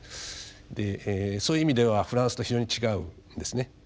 でそういう意味ではフランスと非常に違うんですね。